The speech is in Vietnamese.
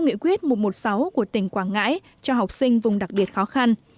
nghị quyết một trăm một mươi sáu của tỉnh quảng ngãi cho học sinh vùng đặc biệt khó khăn